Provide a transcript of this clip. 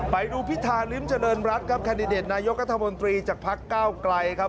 พิธาริมเจริญรัฐครับแคนดิเดตนายกัธมนตรีจากพักเก้าไกลครับ